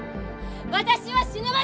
私は死ぬまで！